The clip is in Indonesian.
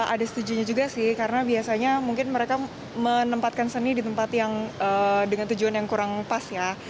ada setujunya juga sih karena biasanya mungkin mereka menempatkan seni di tempat yang dengan tujuan yang kurang pas ya